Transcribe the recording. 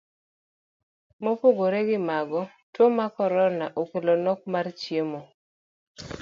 Mopogore gi mago, tuo mar korona okelo nok mar chiemo.